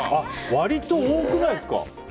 割と多くないですか。